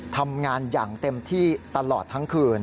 ทำงานอย่างเต็มที่ตลอดทั้งคืน